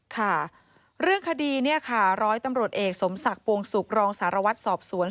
ค่ะเรื่องคดีเนี่ยค่ะร้อยตำรวจเอกสมศักดิ์ปวงศุกร์รองสารวัตรสอบสวน